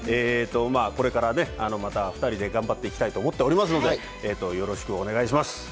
これからね、また２人で頑張っていきたいと思っておりますので、よろしくお願いします。